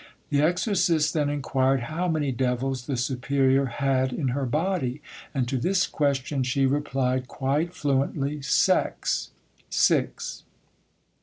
The exorcist then inquired how many devils the superior had in her body, and to this question she replied quite fluently: "Sex" (Six).